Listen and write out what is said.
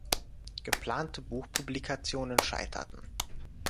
Geplante Buchpublikationen scheiterten.